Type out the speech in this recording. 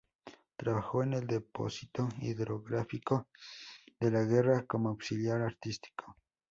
Trabajó en el Depósito Hidrográfico de la Guerra, como auxiliar artístico.